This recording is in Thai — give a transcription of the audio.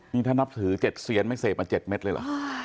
นี่ถ้านับถือ๗เซียนไม่เสพมา๗เม็ดเลยเหรอ